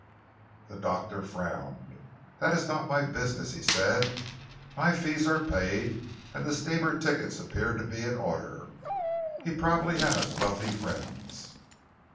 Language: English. The doctor frowned. "That is not my business," he said. "My fees are paid, and the steamer tickets appear to be in order. He probably has wealthy friends."